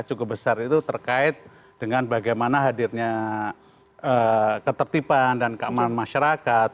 cukup besar itu terkait dengan bagaimana hadirnya ketertiban dan keamanan masyarakat